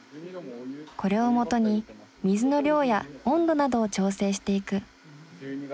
これをもとに水の量や温度などを調整していく。